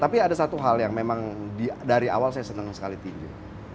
tapi ada satu hal yang memang dari awal saya senang sekali tinjau